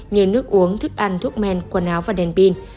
như nước uống thức ăn thuốc men quần áo và đèn pin